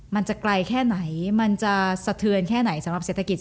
มันจะไกลแค่ไหนมันจะสะเทือนแค่ไหนสำหรับเศรษฐกิจ